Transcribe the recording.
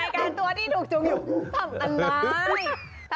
เอาไงกันตัวที่ถูกจูงอยู่ทำกันได้